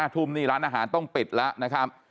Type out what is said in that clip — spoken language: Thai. ทุ่มนี่ร้านอาหารต้องปิดแล้วนะครับ